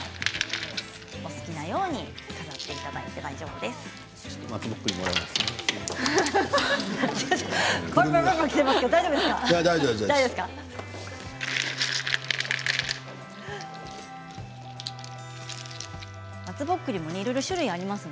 お好きなように飾っていただいて大丈夫です。